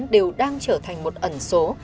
đều đang trở thành một ẩn số